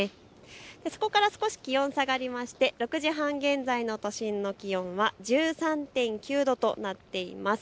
そこから少し気温下がりまして６時半現在の都心の気温は１３．９度となっています。